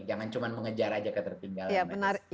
jangan cuma mengejar aja ketertinggalan